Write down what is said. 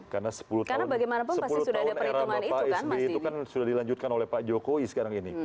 karena sepuluh tahun era bapak isb itu kan sudah dilanjutkan oleh pak jokowi sekarang ini